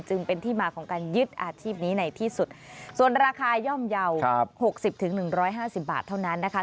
จึงเป็นที่มาของการยึดอาชีพนี้ในที่สุดส่วนราคาย่อมเยาว์๖๐๑๕๐บาทเท่านั้นนะคะ